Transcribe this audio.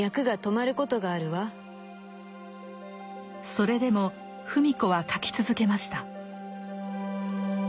それでも芙美子は書き続けました。